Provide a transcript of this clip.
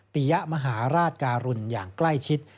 ปียะมหาราชการุณอย่างใกล้ชิด